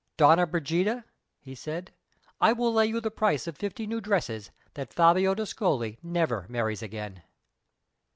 "Donna Brigida," he said, "I will lay you the price of fifty new dresses that Fabio d'Ascoli never marries again!"